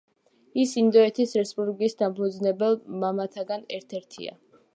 ის ინდოეთის რესპუბლიკის დამფუძნებელ მამათაგან ერთ-ერთია.